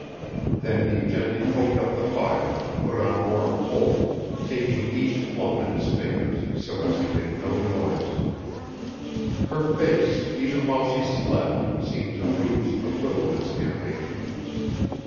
Then he gently poked up the fire and put on more coal, taking each lump in his fingers so as to make no noise. Her face, even while she slept, seemed to lose but little of its animation.